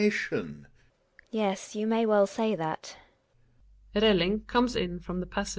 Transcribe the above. GiNA. Yes, you may well say that. ^\\ Belling comes in from the passage, \^.